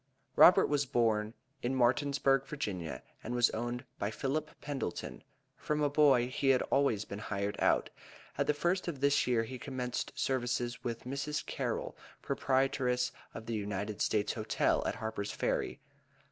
Robert was born in Martinsburg, Va., and was owned by Philip Pendleton. From a boy he had always been hired out. At the first of this year he commenced services with Mrs. Carroll, proprietress of the United States Hotel at Harper's Ferry.